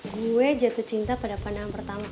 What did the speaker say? gue jatuh cinta pada pandangan pertama